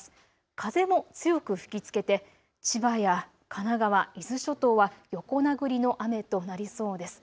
風も強く吹きつけて千葉や神奈川、伊豆諸島は横殴りの雨となりそうです。